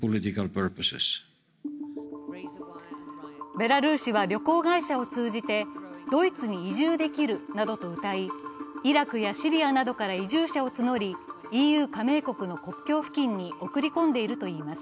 ベラルーシは旅行会社を通じてドイツに移住できるなどとうたいイラクやシリアなどから移住者を募りＥＵ加盟国の国境付近に送り込んでいるといいます。